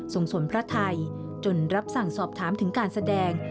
ส่งสวนพระไทยจนรับสั่งสอบถามถึงการแสดง